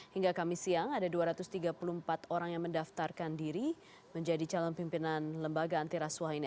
hingga kamis siang ada dua ratus tiga puluh empat orang yang mendaftarkan diri menjadi calon pimpinan lembaga antirasuah ini